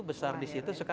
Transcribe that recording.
masih di situ juga